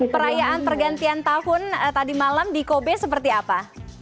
perayaan pergantian tahun tadi malam di kobe seperti apa